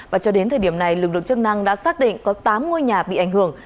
và cho đến thời điểm này lực lượng chức năng đã xác định có tám ngôi nhà bị ảnh hưởng